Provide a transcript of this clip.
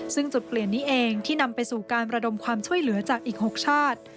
ซึ่งจุดเปลี่ยนนี้เองที่นำไปสู่การระดมความช่วยเหลือจากอีก๖ชาติ